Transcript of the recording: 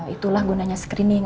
itulah gunanya screening